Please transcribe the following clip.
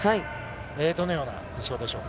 どのような印象ですか？